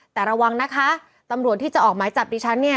แต่ระวังนะคะตำรวจที่จะออกหมายจับดิฉันเนี่ย